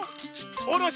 「おろし」！